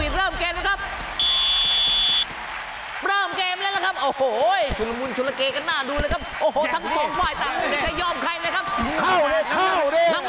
นี่มาก่อนคร่าวแชทแคล๑๑เลยนะครับ